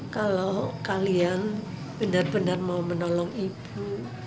kalau kalian benar benar mau menolong ibu